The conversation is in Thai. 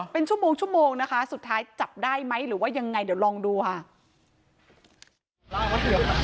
เป็นชั่วโมงชั่วโมงนะคะสุดท้ายจับได้ไหมหรือว่ายังไงเดี๋ยวลองดูค่ะ